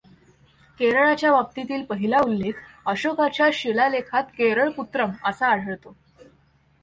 केरळाच्या बाबतीतील पहिला उल्लेख अशोकाच्या शिलालेखात केरळपुत्रम असा आढळतो.